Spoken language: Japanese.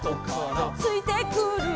「ついてくる」